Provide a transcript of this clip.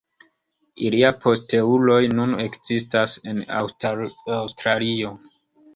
Iliaj posteuloj nun ekzistas en Aŭstralio.